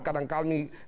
kadang kalah kami turun